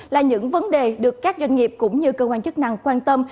là những vấn đề được các doanh nghiệp cũng như cơ quan chức năng quan tâm